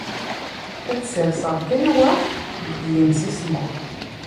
Ad sserseɣ kan wa deg yemsismeḍ.